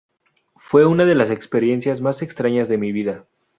Fue una de las experiencias más extrañas de mi vida.